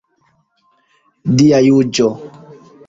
Dia juĝo.